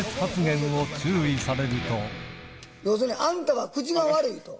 要するに、あんたは口が悪いと。